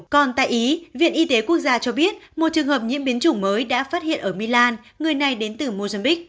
còn tại ý viện y tế quốc gia cho biết một trường hợp nhiễm biến chủng mới đã phát hiện ở milan người này đến từ mozambiqu